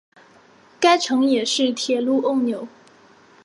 该城也是铁路枢纽。